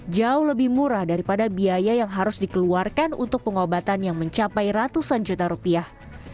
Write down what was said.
jauh lebih murah daripada biaya yang harus dikeluarkan untuk pengobatan yang mencapai ratusan juta rupiah